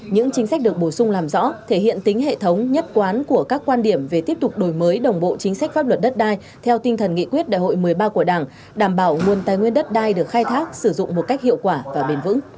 những chính sách được bổ sung làm rõ thể hiện tính hệ thống nhất quán của các quan điểm về tiếp tục đổi mới đồng bộ chính sách pháp luật đất đai theo tinh thần nghị quyết đại hội một mươi ba của đảng đảm bảo nguồn tài nguyên đất đai được khai thác sử dụng một cách hiệu quả và bền vững